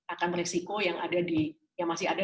akan resiko yang masih ada